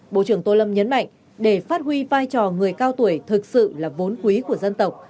bộ trưởng tô lâm nhấn mạnh để phát huy vai trò người cao tuổi thực sự là vốn quý của dân tộc